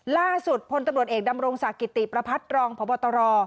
ล่าสุดพลตำลดเอกดำรงสาหกิติประพัดรองพบตรอ